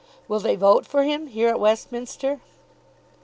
Will they vote for him, here at Westminster?"